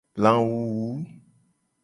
Lawuwu.